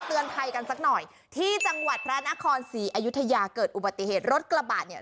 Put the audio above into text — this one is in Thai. เตือนภัยกันสักหน่อยที่จังหวัดพระนครศรีอยุธยาเกิดอุบัติเหตุรถกระบะเนี่ย